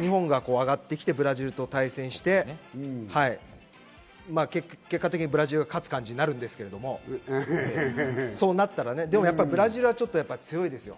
日本が上がってきてブラジルと対戦して、結果的にブラジルが勝つ感じになるんですけれども、そうなったら、でもブラジルは強いですよ。